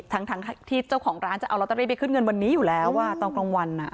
ทั้งที่เจ้าของร้านจะเอาลอตเตอรี่ไปขึ้นเงินวันนี้อยู่แล้วตอนกลางวัน